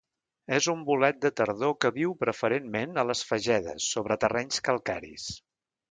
És un bolet de tardor que viu, preferentment, a les fagedes, sobre terrenys calcaris.